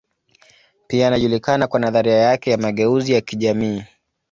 Pia anajulikana kwa nadharia yake ya mageuzi ya kijamii.